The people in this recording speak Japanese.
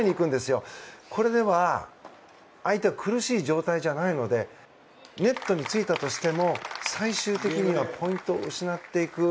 これでは相手は苦しい状態じゃないのでネットについたとしても最終的にはポイントを失っていく。